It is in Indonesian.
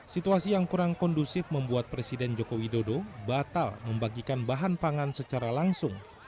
situasi yang kurang kondusif membuat presiden joko widodo batal membagikan bahan pangan secara langsung